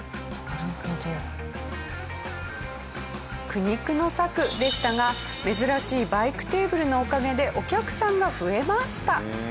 苦肉の策でしたが珍しいバイクテーブルのおかげでお客さんが増えました。